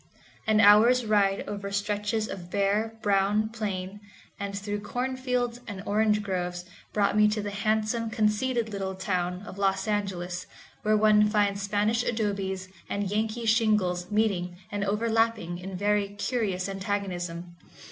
An hour's ride over stretches of bare, brown plain, and through cornfields and orange groves, brought me to the handsome, conceited little town of Los Angeles, where one finds Spanish adobes and Yankee shingles meeting and overlapping in very curious antagonism.